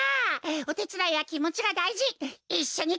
おてつだいはきもちがだいじいっしょにがんばるってか！